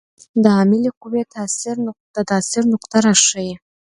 د عاملې قوې د تاثیر نقطه راښيي.